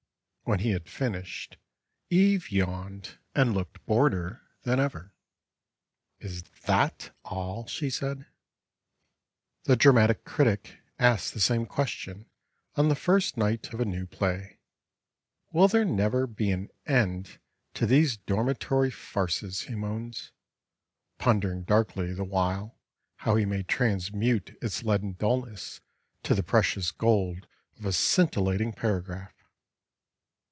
When he had finished, Eve yawned and looked boreder than ever. "Is that all?" she said. The Dramatic Critic asks the same question on the first night of a new Play—"Will there never be an end to these Dormitory Farces," he moans, pondering darkly the while how he may transmute its leaden dullness to the precious gold of a scintillating paragraph.